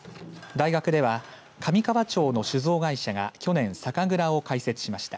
大学では上川町の酒造会社が去年、酒蔵を開設しました。